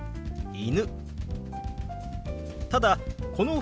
「犬」。